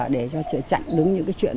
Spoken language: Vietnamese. để chặn đứng những cái chuyện